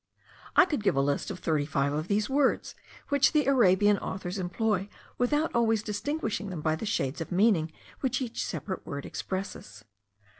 I could give a list of thirty five of these words, which the Arabian authors employ without always distinguishing them by the shades of meaning which each separate word expresses.